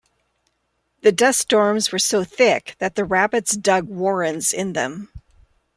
The dust storms were so thick that the rabbits dug warrens in them.